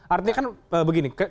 artinya kan begini